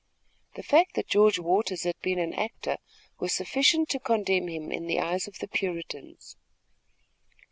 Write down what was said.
The fact that George Waters had been an actor was sufficient to condemn him in the eyes of the Puritans.